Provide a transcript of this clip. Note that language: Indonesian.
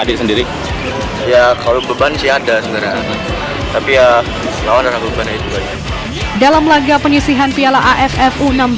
dalam laga penyisihan piala aff u enam belas